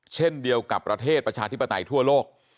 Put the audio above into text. เช่นเดียวกับประเทศประชาธิปไตยทั่วโลก